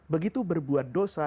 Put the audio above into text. begitu berbuat dosa